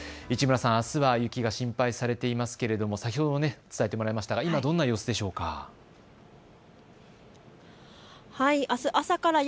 市村さん、あすは雪が心配されていますけれども先ほど伝えてもらいましたが今はどんな様子でしょうか。